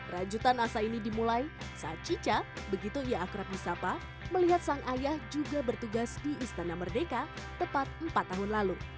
rajutan asa ini dimulai saat cica begitu ia akrab di sapa melihat sang ayah juga bertugas di istana merdeka tepat empat tahun lalu